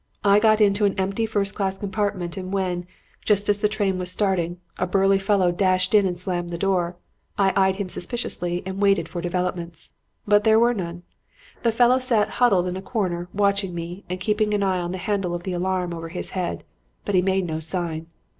I got into an empty first class compartment and when, just as the train was starting, a burly fellow dashed in and slammed the door, I eyed him suspiciously and waited for developments. But there were none. The fellow sat huddled in a corner, watching me and keeping an eye on the handle of the alarm over his head; but he made no sign.